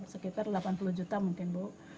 sekitar delapan puluh juta mungkin bu